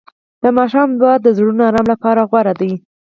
د ماښام دعا د زړونو آرام لپاره غوره ده.